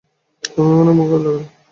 তোমার ভয়কে মোকাবিলা করো।